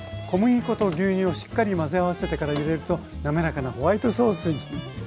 小麦粉と牛乳をしっかり混ぜ合わせてから入れるとなめらかなホワイトソースに。